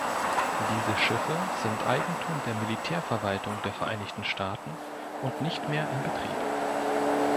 Diese Schiffe sind Eigentum der Militärverwaltung der Vereinigten Staaten und nicht mehr in Betrieb.